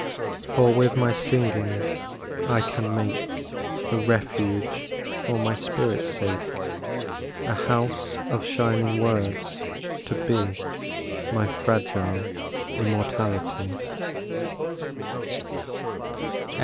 For with my singing I can make A refuge for my spirit's sake, A house of shining words, to be My fragile immortality.